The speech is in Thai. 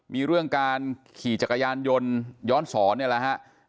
มีเรื่องการขี่จักรยานยนต์ย้อนสอนเนี่ยแหละฮะ